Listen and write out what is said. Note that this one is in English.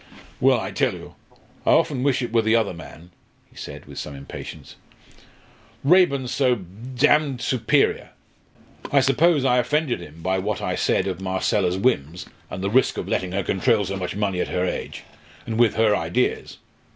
"Well, I tell you, I often wish it were the other man," he said, with some impatience. "Raeburn 's so d d superior. I suppose I offended him by what I said of Marcella's whims, and the risk of letting her control so much money at her age, and with her ideas.